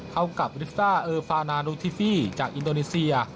เท่ากับฤฟ้าเออฟานานูทิฟิจากอินโดนีเซีย